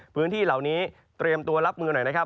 พื้นที่เหล่านี้เตรียมตัวรับมือหน่อยนะครับ